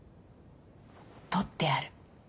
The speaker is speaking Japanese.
とってある。